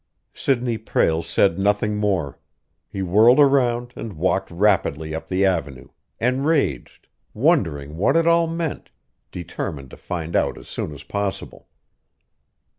Sidney Prale said nothing more; he whirled around and walked rapidly up the Avenue, enraged, wondering what it all meant, determined to find out as soon as possible.